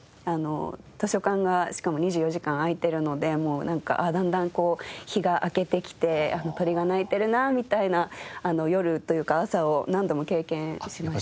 図書館がしかも２４時間開いているのでもうなんかだんだんこう日が明けてきて鳥が鳴いているなみたいな夜というか朝を何度も経験しました。